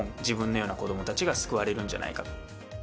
自分のような子どもたちが救われるんじゃないかと。